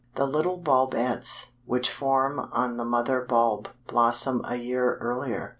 The little bulbets which form on the mother bulb blossom a year earlier.